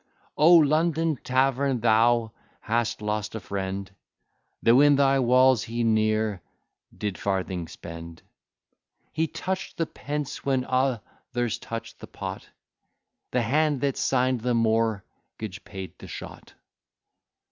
Oh London Tavern! thou hast lost a friend, Tho' in thy walls he ne'er did farthing spend; He touch'd the pence when others touch'd the pot; The hand that sign'd the mortgage paid the shot.